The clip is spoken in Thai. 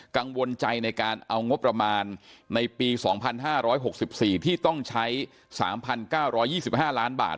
กังวลใจในการเอางบประมาณในปี๒๕๖๔ที่ต้องใช้๓๙๒๕ล้านบาท